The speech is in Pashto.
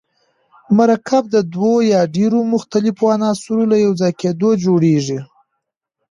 مرکب د دوه یا ډیرو مختلفو عناصرو له یوځای کیدو جوړیږي.